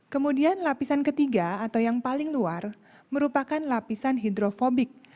kemudian lapisan ketiga atau yang paling luar merupakan lapisan hidrofobik